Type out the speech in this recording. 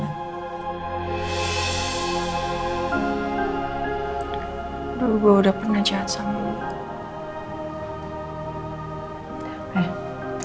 udah gue udah pernah jahat sama lo